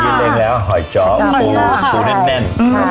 มีเร็งโหยเจาะกูแน่น